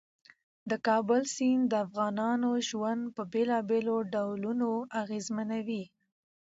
د کابل سیند د افغانانو ژوند په بېلابېلو ډولونو اغېزمنوي.